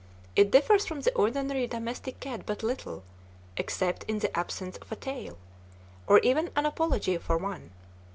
It differs from the ordinary domestic cat but little, except in the absence of a tail, or even an apology for one.